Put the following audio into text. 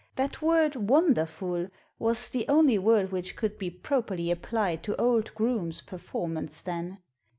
That word " wonderful " was the only word which could be properly applied to old Groome's performance then.